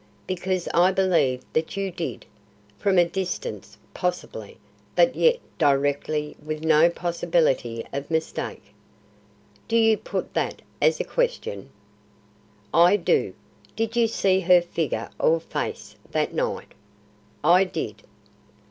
"Because I believe that you did. From a distance possibly, but yet directly and with no possibility of mistake." "Do you put that as a question?" "I do. Did you see her figure or face that night?" "I did."